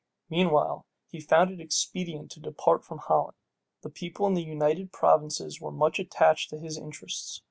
Meanwhile he found it expedient to depart from Holland. The people in the United Provinces were much attached to his interests.